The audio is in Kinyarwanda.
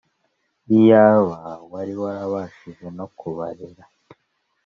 iyaaba wari warabashije no kubarera